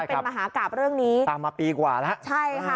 เป็นมหากราบเรื่องนี้ตามมาปีกว่าแล้วใช่ค่ะ